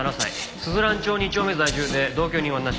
鈴蘭町２丁目在住で同居人はなし。